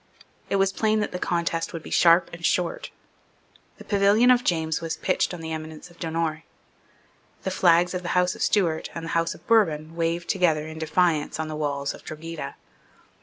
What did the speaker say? It was plain that the contest would be sharp and short. The pavilion of James was pitched on the eminence of Donore. The flags of the House of Stuart and of the House of Bourbon waved together in defiance on the walls of Drogheda.